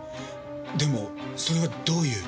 でもそれはどういう。